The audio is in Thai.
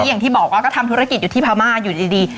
อย่างที่บอกว่าก็ทำธุรกิจอยู่ที่พม่าอยู่ดี